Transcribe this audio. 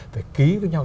phải ký với nhau